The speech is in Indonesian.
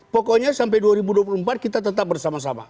pokoknya sampai dua ribu dua puluh empat kita tetap bersama sama